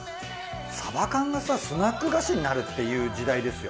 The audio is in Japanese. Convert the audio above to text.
サバ缶がさスナック菓子になるっていう時代ですよ。